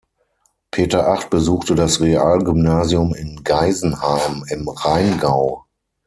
Peter Acht besuchte das Realgymnasium in Geisenheim im Rheingau.